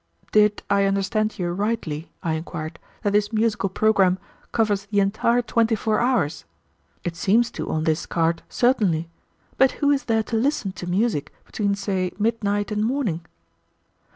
"Did I understand you rightly," I inquired, "that this musical programme covers the entire twenty four hours? It seems to on this card, certainly; but who is there to listen to music between say midnight and morning?"